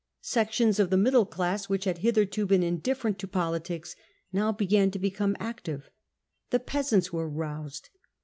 Sections of the middle class which had hitherto been indifferent to politics now began to become active. The peasants were roused.